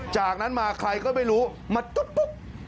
จากนั้นมาใครก็ไม่รู้มาตุ๊ดปุ๊บ